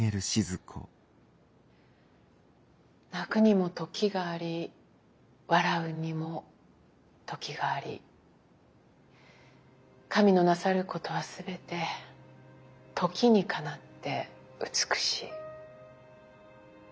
泣くにも時があり笑うにも時があり神のなさることは全て時にかなって美しい。